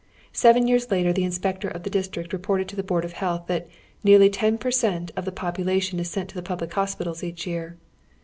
Seven years later the inspector of the district reported to the Board of Health that "nearly ten per cent, of the population is sent to the public Iiospitals each year."